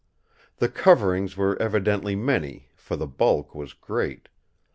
The coverings were evidently many, for the bulk was great.